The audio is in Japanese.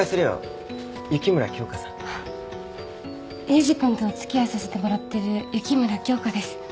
エイジ君とお付き合いさせてもらってる雪村京花です。